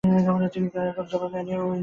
তিনি তার কোনো জবাব না করে চুপ করে থাকতেন।